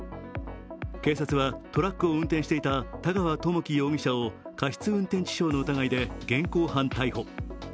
警察はトラックを運転していた田川友暉容疑者を過失運転致死傷の疑いで現行犯逮捕。